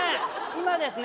今ですね